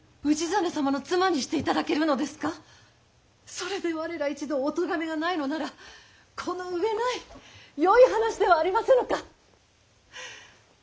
それで我ら一同お咎めがないのならこの上ないよい話ではありませぬか。